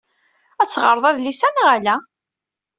Ad teɣṛeḍ adlis-a neɣ ala?